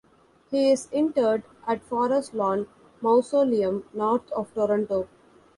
He is interred at Forest Lawn Mausoleum north of Toronto.